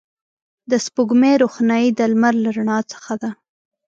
د سپوږمۍ روښنایي د لمر له رڼا څخه ده